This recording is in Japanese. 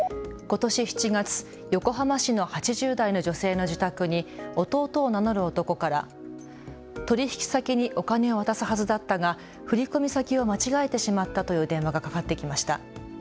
ことし７月、横浜市の８０代の女性の自宅に弟を名乗る男から取引先にお金を渡すはずだったが振込先を間違えてしまったという電話がかかってきました。